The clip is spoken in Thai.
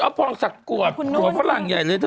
อ๊อปปองศักดิ์อวดผัวฝรั่งใหญ่เลยเถอะ